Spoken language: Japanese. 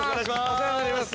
◆お世話になります。